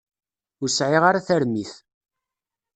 Ur sɛiɣ ara tarmit.